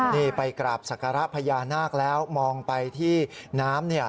นี่ไปกราบศักระพญานาคแล้วมองไปที่น้ำ